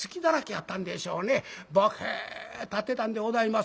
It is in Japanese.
ぼけ立ってたんでございます。